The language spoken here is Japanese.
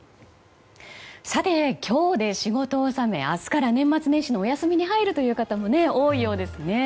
今日で仕事納め明日から年末年始のお休みに入る方も多いようですね。